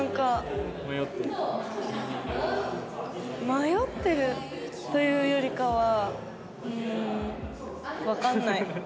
迷ってるというよりかはうーんわかんない。